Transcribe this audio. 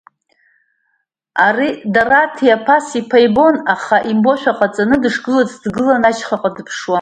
Ари Дараҭиа Пас-иԥа ибон, аха имбошәа ҟаҵаны, дышгылац дгылан, ашьхаҟа дыԥшуа.